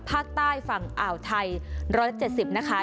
ภาคใต้ฝั่งอ่าวไทย๑๗๐นะคะ